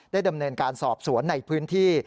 ดำเนินการสอบสวนในพื้นที่